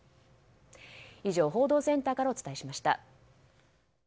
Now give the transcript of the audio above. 以上、報道センターからお伝えしました。